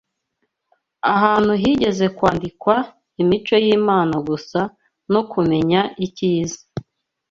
Ahantu higeze kwandikwa imico y’Imana gusa no kumenya icyiza